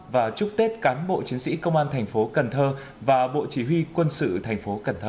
và chúc tết cán bộ chiến sĩ công an thành phố cần thơ và bộ chỉ huy quân sự thành phố cần thơ